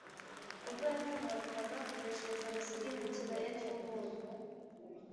ubwo yatabarukaga kuneshereza Abasiriya mu kibaya cy’umunyu.